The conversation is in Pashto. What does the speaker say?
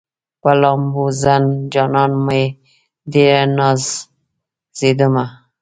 په لامبوزن جانان مې ډېره نازېدمه